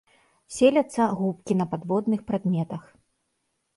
Селяцца губкі на падводных прадметах.